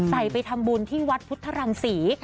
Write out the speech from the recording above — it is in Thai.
ไปทำบุญที่วัดพุทธรังศรี